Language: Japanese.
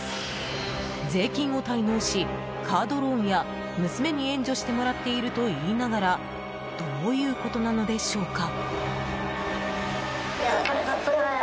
税金を滞納しカードローンや娘に援助してもらっていると言いながらどういうことなのでしょうか？